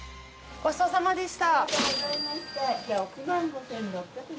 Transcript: ごちそうさまでした。